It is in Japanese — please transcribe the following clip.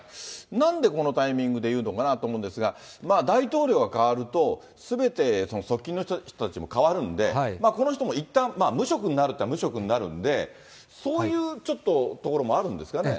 なんでこのタイミングでいうのかなと思うんですが、大統領が代わると、すべて側近の人たちも変わるんで、この人もいったん、無職になるっていったら無職になるんで、そういうちょっとところもあるんですかね。